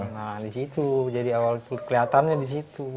nah di situ jadi awal itu kelihatannya di situ